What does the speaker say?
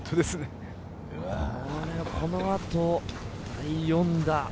このあと第４打。